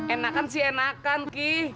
enakan sih enakan ki